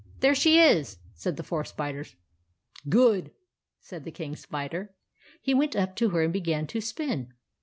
" There she is," said the four spiders. " Good !" said the King Spider. He went up to her and began to spin.